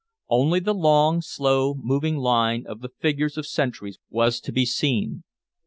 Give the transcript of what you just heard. Only the long, slow moving line of the figures of sentries was to be seen.